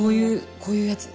こういうやつで。